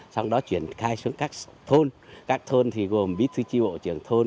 sau đó chuyển khai xuống các thôn các thôn thì gồm bí thư chi bộ trưởng thôn